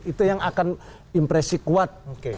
itu yang akan impresi kuat